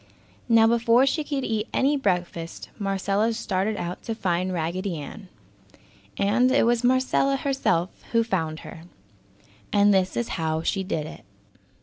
Now before she could eat any breakfast, Marcella started out to find Raggedy Ann. And, it was Marcella herself who found her. And this is how she did it.